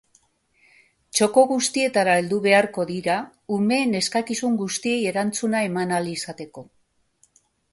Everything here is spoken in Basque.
Txoko guztietara heldu beharko dira umeen eskakizun guztiei erantzuna eman ahal izateko.